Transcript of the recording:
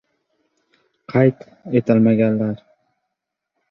Qayd etilmaganlar…